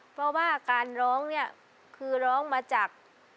เพราะว่าการร้องเนี่ยคือร้องมาจาก